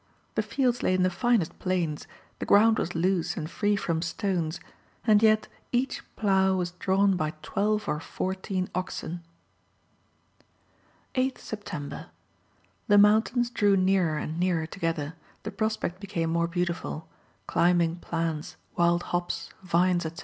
The fields lay in the finest plains, the ground was loose and free from stones, and yet each plough was drawn by twelve or fourteen oxen. 8th September. The mountains drew nearer and nearer together, the prospect became more beautiful; climbing plants, wild hops, vines, etc.